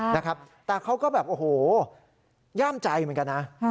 นะครับแต่เขาก็แบบโอ้โหย่ามใจเหมือนกันนะ